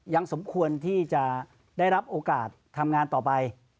สมควรที่จะได้รับโอกาสทำงานต่อไป